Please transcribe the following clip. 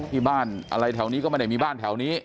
ที่บ้านอะไรแถวนี้ก็ไม่ได้มีบ้านแถวนี้